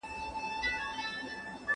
¬ چي پيلان کوي، پيلخانې به جوړوي.